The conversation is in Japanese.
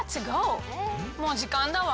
もうじかんだわ。